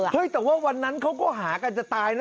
แต่ว่าวันนั้นเขาก็หากันจะตายนะ